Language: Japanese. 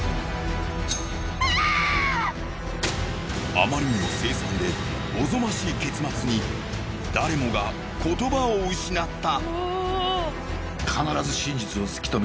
あまりにも凄惨でおぞましい結末に誰もが言葉を失った。